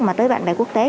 mà tới bảng đại quốc tế